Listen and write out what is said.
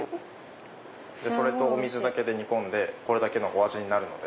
それとお水だけで煮込んでこれだけのお味になるので。